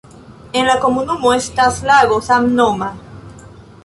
En la komunumo estas lago samnoma.